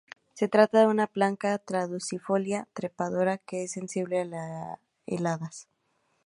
Se trata de una planta caducifolia trepadora que es sensible a las heladas.